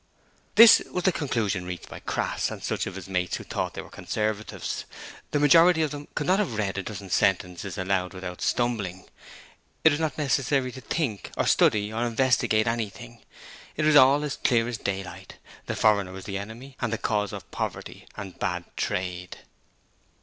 This was the conclusion reached by Crass and such of his mates who thought they were Conservatives the majority of them could not have read a dozen sentences aloud without stumbling it was not necessary to think or study or investigate anything. It was all as clear as daylight. The foreigner was the enemy, and the cause of poverty and bad trade.